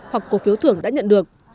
hoặc cổ phiếu thưởng đã nhận được